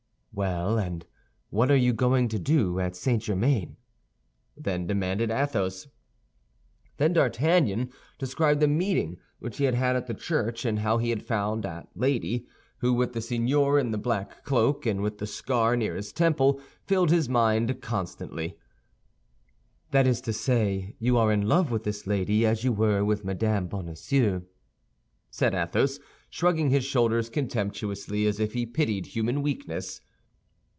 "Well, and what are you going to do at St. Germain?" then demanded Athos. Then D'Artagnan described the meeting which he had at the church, and how he had found that lady who, with the seigneur in the black cloak and with the scar near his temple, filled his mind constantly. "That is to say, you are in love with this lady as you were with Madame Bonacieux," said Athos, shrugging his shoulders contemptuously, as if he pitied human weakness.